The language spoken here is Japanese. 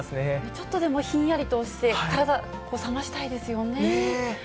ちょっとでもひんやりとして、体冷ましたいですよね。